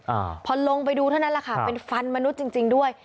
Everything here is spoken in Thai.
อ่าพอลงไปดูเท่านั้นแหละค่ะเป็นฟันมนุษย์จริงจริงด้วย